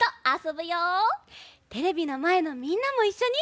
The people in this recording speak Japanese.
テレビのまえのみんなもいっしょに。